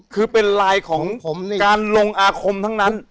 คือเป็นลายของการลงอาคมทั้งนั้น